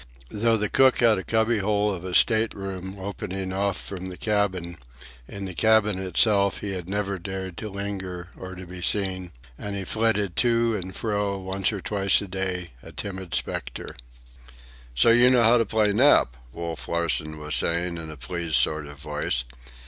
Though the cook had a cubby hole of a state room opening off from the cabin, in the cabin itself he had never dared to linger or to be seen, and he flitted to and fro, once or twice a day, a timid spectre. "So you know how to play 'Nap,'" Wolf Larsen was saying in a pleased sort of voice.